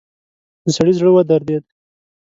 د سړي زړه ودرېد.